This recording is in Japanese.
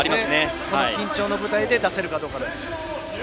この緊張の舞台で出せるかどうかです。